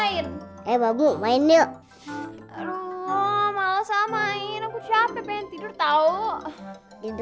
aku pengen ikut lo nengkenceng democrats pabrik rickford